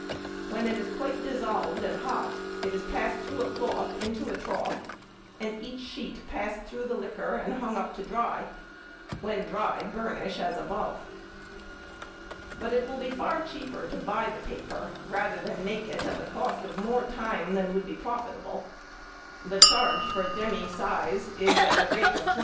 When quite dissolved and hot it is passed through a cloth into a trough, and each sheet passed through the liquor and hung up to dry; when dry, burnish as above. But it will be far cheaper to buy the paper, rather than make it at the cost of more time than will be profitable. The charge for demy size is at the rate of 20_s.